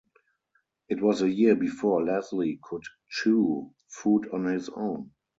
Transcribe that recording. It was a year before Leslie could chew food on his own.